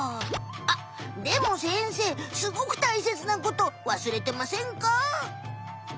あっでも先生すごくたいせつなことわすれてませんか？